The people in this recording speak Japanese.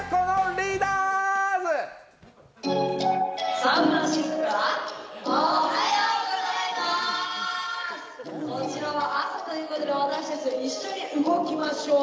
こちらは朝ということで、私たち一緒に動きましょう。